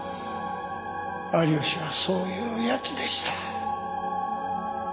有吉はそういう奴でした。